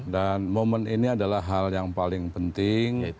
dan momen ini adalah hal yang paling penting